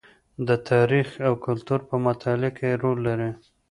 د تاریخ او کلتور په مطالعه کې رول لري.